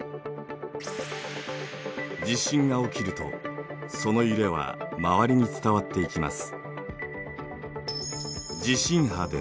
地震が起きるとその揺れは周りに伝わっていきます。